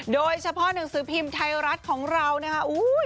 โดยเฉพาะหนังสือพิมพ์ไทยรัฐของเรานะคะ